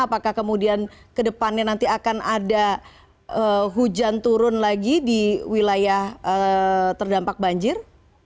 apakah kemudian ke depannya nanti akan ada hujan turun lagi di wilayah terdampak banjir